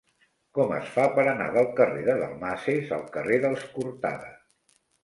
Com es fa per anar del carrer de Dalmases al carrer dels Cortada?